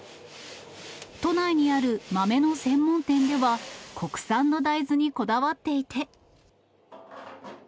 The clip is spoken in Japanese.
都内にある豆の専門店では、国産の大豆にこだわっていて。